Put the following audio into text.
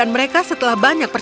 anda tak putus putus untukup air